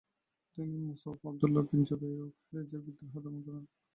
তিনি Musab, Abdullah bin Zubair ও খারেজীদের বিদ্রোহ দমন করেন।